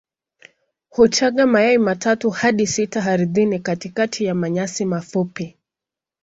Hutaga mayai matatu hadi sita ardhini katikati ya manyasi mafupi.